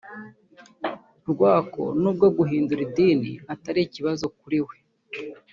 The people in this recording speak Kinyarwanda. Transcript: rw ko n’ubwo guhindura idini atari ikibazo kuri we